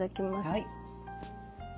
はい。